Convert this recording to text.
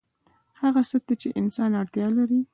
هغه څه ته چې انسان اړتیا لري